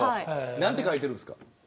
何て書いてあるんですか。